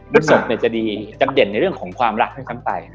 พฤศพเนี่ยจะดีจะเด่นในเรื่องของความรักให้ซ้ำไป